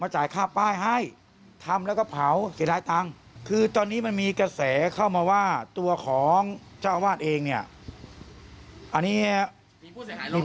เจ้าอาวาทหรือวัดพระรูปวัดเลยไหม